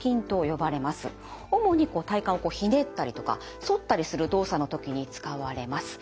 主に体幹をひねったりとか反ったりする動作の時に使われます。